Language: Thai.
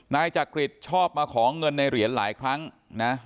นายจักริตชอบมาขอเงินในเหรียญหลายครั้งนะ